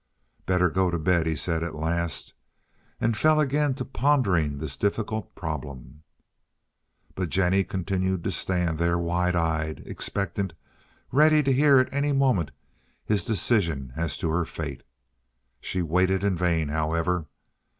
"Better go to bed," he said at last, and fell again to pondering this difficult problem. But Jennie continued to stand there wide eyed, expectant, ready to hear at any moment his decision as to her fate. She waited in vain, however.